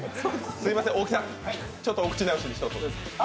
すみません、大木さん、お口直しに一つ。